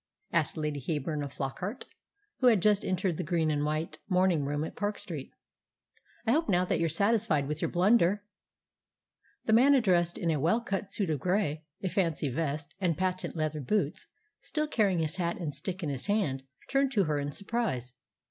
asked Lady Heyburn of Flockart, who had just entered the green and white morning room at Park Street. "I hope now that you're satisfied with your blunder!" The man addressed, in a well cut suit of grey, a fancy vest, and patent leather boots, still carrying his hat and stick in his hand, turned to her in surprise.